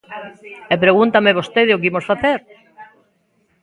E pregúntame vostede o que imos facer.